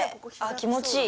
気持ちいい。